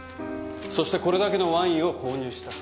そしてこれだけのワインを購入した。